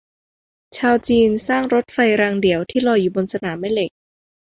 ชาวจีนสร้างรถไฟรางเดี่ยวที่ลอยอยู่บนสนามแม่เหล็ก